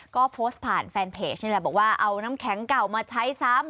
ก็โพสต์ผ่านแฟนเพจนี่แหละบอกว่าเอาน้ำแข็งเก่ามาใช้ซ้ำ